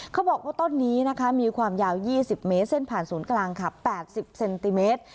เขาบอกว่าต้นนี้นะคะมีความยาว๒๐เมตรเส้นผ่านศูนย์กลางค่ะ๘๐เซนติเมตร